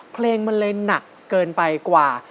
เพลงมันเลยหนักเกินไปกว่า